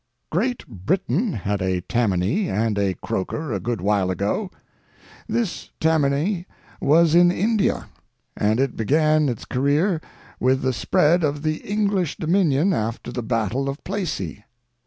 Great Britain had a Tammany and a Croker a good while ago. This Tammany was in India, and it began its career with the spread of the English dominion after the Battle of Plassey.